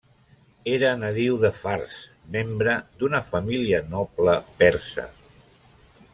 Era nadiu de Fars, membre d'una família noble persa.